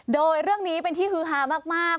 โดยเรื่องนี้เป็นที่ฮือฮามาก